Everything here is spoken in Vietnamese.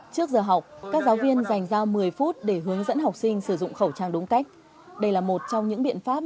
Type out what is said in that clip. trước giờ học các giáo viên dành giao một mươi phút để hướng dẫn học sinh sử dụng bệnh